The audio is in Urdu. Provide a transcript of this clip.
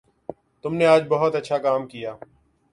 تم نے آج بہت اچھا کام کیا